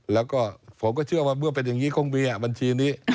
แล้วก็ผมก็เชื่อว่าเมื่อเป็นอย่างนี้คงมีบัญชีนี้